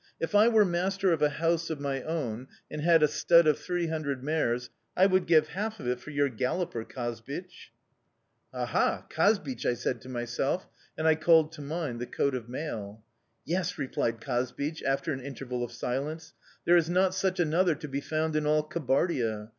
'If I were master of a house of my own and had a stud of three hundred mares, I would give half of it for your galloper, Kazbich!' "'Aha! Kazbich!' I said to myself, and I called to mind the coat of mail. "'Yes,' replied Kazbich, after an interval of silence. 'There is not such another to be found in all Kabardia.